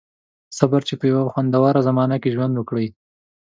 • صبر، چې په یوه خوندوره زمانه کې ژوند وکړئ.